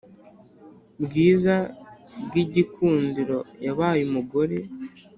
bwiza bw’igikindiro yabaye umugore